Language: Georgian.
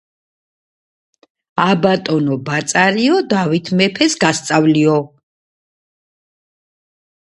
ა ბატონო ბაწარიო, დავით მეფეს გასწავლიო